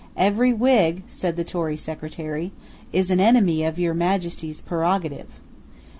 "Every Whig," said the Tory Secretary, "is an enemy of your Majesty's prerogative."